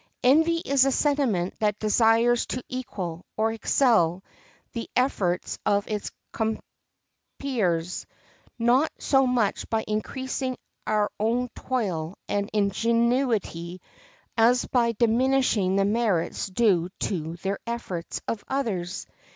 Envy is a sentiment that desires to equal, or excel, the efforts of its compeers, not so much by increasing our own toil and ingenuity as by diminishing the merits due to the efforts of others.